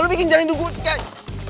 lo bikin jalan hidup gue kayak